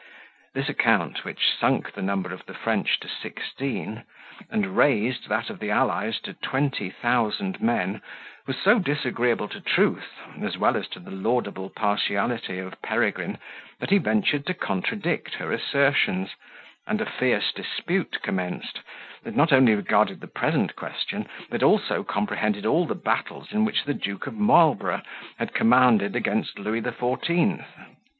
This account, which sunk the number of the French to sixteen, and raised that of the allies to twenty thousand men, was so disagreeable to truth, as well as to the laudable partiality of Peregrine, that he ventured to contradict her assertions, and a fierce dispute commenced, that not only regarded the present question, but also comprehended all the battles in which the Duke of Marlborough had commanded against Louis the Fourteenth.